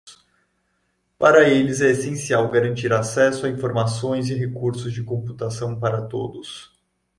Para eles, é essencial garantir acesso a informações e recursos de computação para todos.